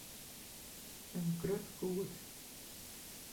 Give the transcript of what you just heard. In grut goed.